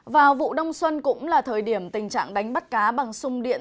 vào vụ đông xuân cũng là thời điểm tình trạng đánh bắt cá bằng sung điện